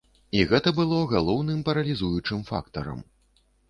І гэта было галоўным паралізуючым фактарам.